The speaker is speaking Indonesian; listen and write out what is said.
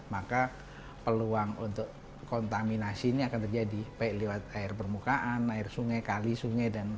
maka peluang untuk kontaminasi ini akan terjadi baik lewat air permukaan air sungai kali sungai